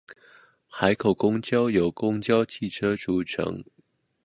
海口公交由公共汽车组成。